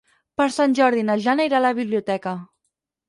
Per Sant Jordi na Jana irà a la biblioteca.